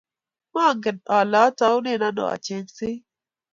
mangen kole ataunen ano achengsei